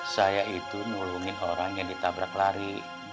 saya itu nulungin orang yang ditabrak lari